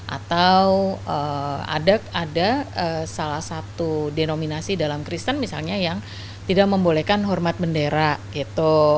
atau ada salah satu denominasi dalam kristen misalnya yang tidak membolehkan hormat bendera gitu